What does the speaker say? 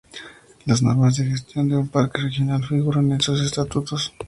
Las normas de gestión de un parque regional figuran en sus estatutos.